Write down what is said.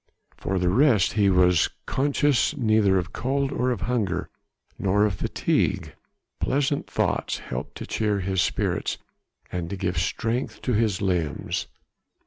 For the rest he was conscious neither of cold, of hunger nor of fatigue. Pleasant thoughts helped to cheer his spirits and to give strength to his limbs.